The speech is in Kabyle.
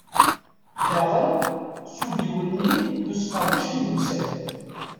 Daɣen, s udiwenni d usqerdec n temsal.